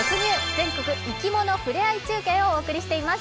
全国いきものふれあい中継」をお送りしています。